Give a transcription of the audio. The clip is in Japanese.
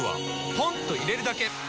ポンと入れるだけ！